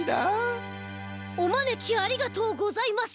おまねきありがとうございます